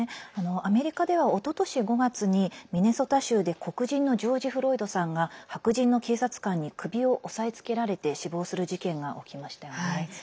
アメリカでは、おととし５月にミネソタ州で黒人のジョージ・フロイドさんが白人の警察官に首を押さえつけられて死亡する事件が起きましたよね。